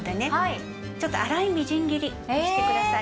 ちょっと粗いみじん切りにしてください。